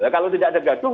kalau tidak ada gaduh